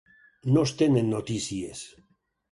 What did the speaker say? No es tenen notícies.